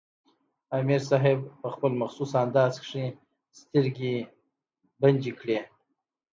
امیر صېب پۀ خپل مخصوص انداز کښې سترګې بنجې کړې